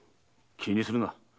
気にするな。